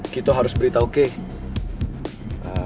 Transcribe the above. kita harus beritahu kay